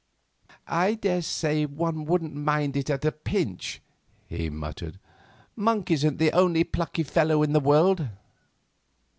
"I daresay one wouldn't mind it at a pinch," he muttered; "Monk isn't the only plucky fellow in the world."